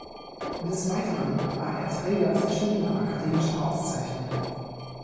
Des Weiteren war er Träger verschiedener akademischer Auszeichnungen.